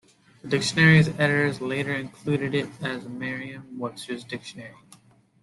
The dictionary's editors later included it as did Merriam Webster's Dictionary.